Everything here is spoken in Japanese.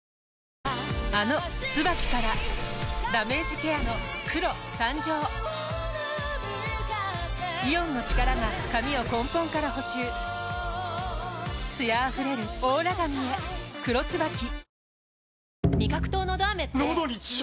あの「ＴＳＵＢＡＫＩ」からダメージケアの黒誕生イオンの力が髪を根本から補修艶あふれるオーラ髪へ「黒ＴＳＵＢＡＫＩ」